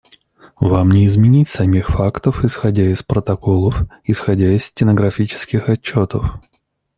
Вам не изменить самих фактов исходя из протоколов, исходя из стенографических отчетов.